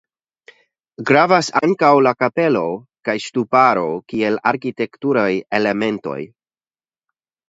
Gravas ankaŭ la kapelo kaj ŝtuparo kiel arkitekturaj elementoj.